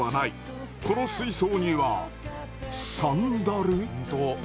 この水槽にはサンダル？